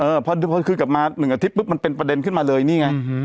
พอคืนกลับมา๑อาทิตย์ปุ๊บมันเป็นประเด็นขึ้นมาเลยนี่ไง